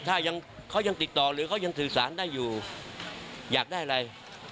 ถ้าเขายังติดต่อหรือเขายังสื่อสารได้อยู่อยากได้อะไร